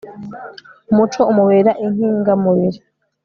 umuco umubera inkinga mubiri